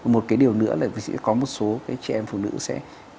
một cái điều nữa là sẽ có một số trẻ em phụ nữ sẽ